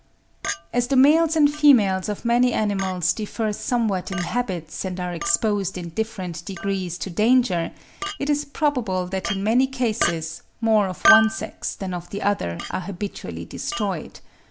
As the males and females of many animals differ somewhat in habits and are exposed in different degrees to danger, it is probable that in many cases, more of one sex than of the other are habitually destroyed.